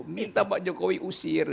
minta pak jokowi usir